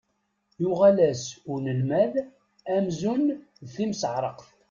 Yuɣal-as unelmad amzun d timseɛraqt.